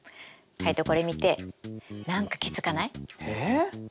カイトこれ見て何か気付かない？えっ？